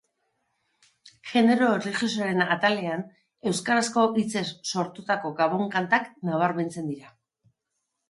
Genero erlijiosoaren atalean euskarazko hitzez sortutako gabon kantak nabarmentzen dira.